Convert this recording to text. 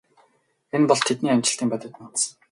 Энэ бол тэдний амжилтын бодит нууц.